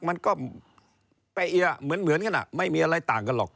มันก็แปะเอียเหมือนกันไม่มีอะไรต่างกันหรอก